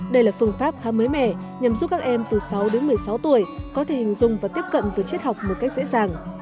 đây là phương pháp khá mới mẻ nhằm giúp các em từ sáu đến một mươi sáu tuổi có thể hình dung và tiếp cận với triết học một cách dễ dàng